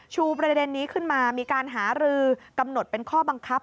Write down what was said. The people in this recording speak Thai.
ประเด็นนี้ขึ้นมามีการหารือกำหนดเป็นข้อบังคับ